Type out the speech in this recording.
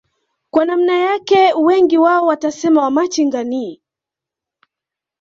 kwa namna yake wengi wao watasema wamachinga ni